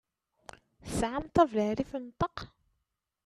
Tesɛam ṭabla rrif n ṭaq?